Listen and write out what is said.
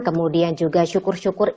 kemudian juga syukur syukur